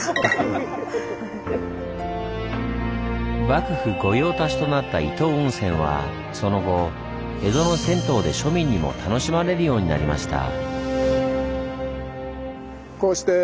幕府御用達となった伊東温泉はその後江戸の銭湯で庶民にも楽しまれるようになりました。